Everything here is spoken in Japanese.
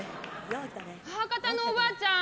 母方のおばあちゃん